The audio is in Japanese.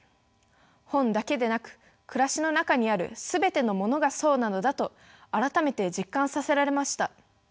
本だけでなく暮らしの中にある全てのものがそうなのだと改めて実感させられました。